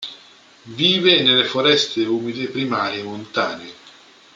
Vive nelle foreste umide primarie montane.